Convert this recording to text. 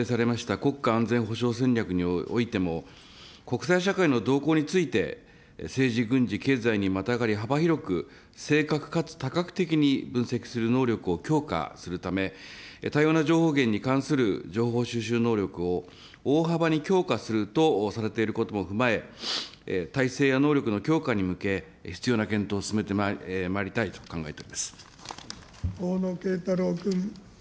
国家安全保障戦略においても、国際社会の動向について、政治、軍事、経済にまたがり、幅広く正確かつ多角的に分析する能力を強化するため、多様な情報源に関する情報収集能力を大幅に強化するとされていることも踏まえ、体制や能力の強化に向け、必要な検討を進めてまい大野敬太郎君。